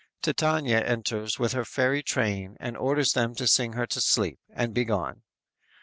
"_ Titania enters with her fairy train and orders them to sing her to sleep, and be gone.